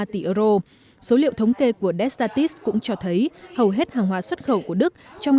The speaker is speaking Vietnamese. năm trăm năm mươi ba tỷ euro số liệu thống kê của destatis cũng cho thấy hầu hết hàng hóa xuất khẩu của đức trong